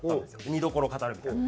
見どころを語るみたいな。